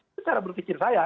itu cara berpikir saya